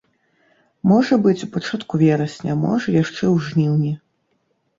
Можа быць, у пачатку верасня, можа яшчэ ў жніўні.